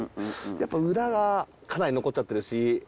やっぱ裏がかなり残っちゃってるし。